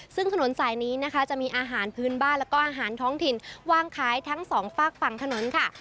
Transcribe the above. ซึ่งถนนสายนี้นะคะจะมีอาหารพื้นบ้านแล้วก็อาหารท้องถิ่นวางขายทั้งสองฝากฝั่งถนนค่ะ